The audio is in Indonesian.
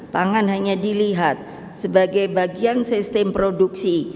pangan hanya dilihat sebagai bagian sistem produksi